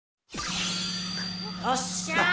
よっしゃ！